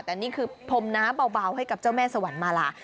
แต่นี่คือพรมน้าเบาให้กับเจ้าแม่สวรรค์มาลา